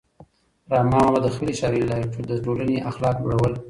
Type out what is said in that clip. رحمان بابا د خپلې شاعرۍ له لارې د ټولنې اخلاق لوړول.